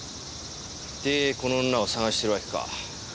でこの女を捜してるわけか。